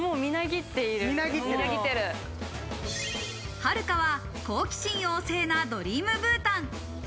はるかは好奇心旺盛なドリームブータン。